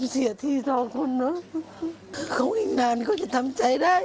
เสียทีสองคนเนอะเขาอีกนานเขาจะทำใจได้